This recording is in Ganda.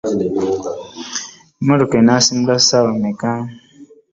Emmotoka enasimbula ssaawa meka?